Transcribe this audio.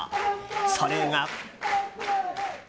それが。